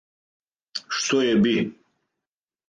Што је би?